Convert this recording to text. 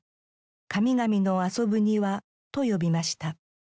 「神々の遊ぶ庭」と呼びました。